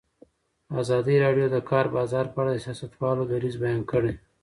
ازادي راډیو د د کار بازار په اړه د سیاستوالو دریځ بیان کړی.